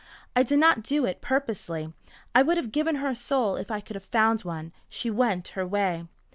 I did not do it purposely. I would have given her a soul if I could have found one. She went her way."